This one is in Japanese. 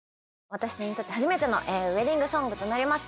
私にとって初めてのウエディングソングとなります